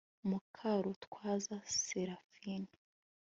mukarutwaza séraphine